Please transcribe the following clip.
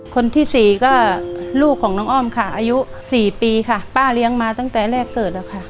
คนที่สี่ก็ลูกของน้องอ้อมค่ะอายุสี่ปีค่ะป้าเลี้ยงมาตั้งแต่แรกเกิดแล้วค่ะ